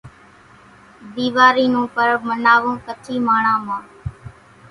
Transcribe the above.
ۮيواري نون پرٻ مناوون ڪڇي ماڻۿان مان